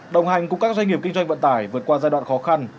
đồng hành cùng các doanh nghiệp kinh doanh vận tải vượt qua giai đoạn khó khăn